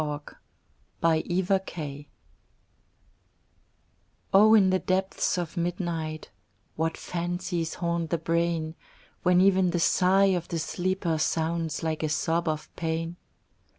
IN THE DARK O In the depths of midnight What fancies haunt the brain! When even the sigh of the sleeper Sounds like a sob of pain.